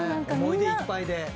思い出いっぱいで。